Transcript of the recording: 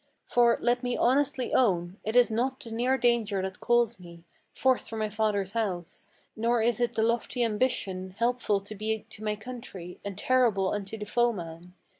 For, let me honestly own, it is not the near danger that calls me Forth from my father's house; nor is it the lofty ambition Helpful to be to my country, and terrible unto the foeman.